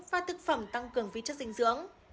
và thực phẩm tăng cường vi chất dinh dưỡng